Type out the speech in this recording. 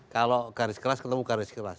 kalau garis kelas ketemu garis kelas